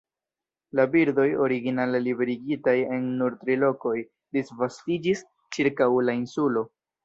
La birdoj, originale liberigitaj en nur tri lokoj, disvastiĝis ĉirkaŭ la insulo.